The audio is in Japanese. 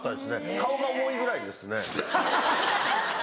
顔が重いぐらいですね。